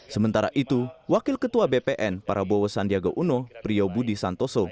sementara itu wakil ketua bpn prabowo sandiaga uno priyobudi santoso